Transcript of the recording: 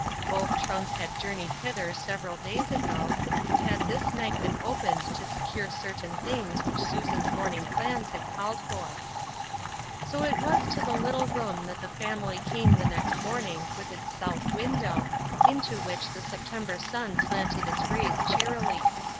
Both trunks had jour Qeyed hither several days ago, and had this night been opened to secure certain things which Susan's morning plans had called for. So it was to the little room that the family came the next morninor, with its south window, Trying Questions, 826 into which the September sun slanted its rays cheerily.